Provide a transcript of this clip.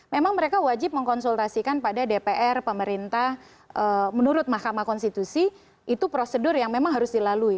memang mereka wajib mengkonsultasikan pada dpr pemerintah menurut mahkamah konstitusi itu prosedur yang memang harus dilalui